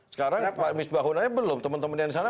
sekarang pak misbahun aja belum teman teman yang disana